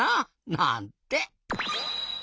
なんて。